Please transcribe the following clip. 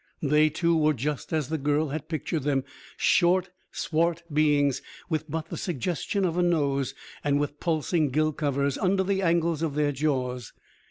They, too, were just as the girl had pictured them: short, swart beings with but the suggestion of a nose, and with pulsing gill covers under the angles of their jaws.